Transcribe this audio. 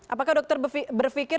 apakah dokter berpikir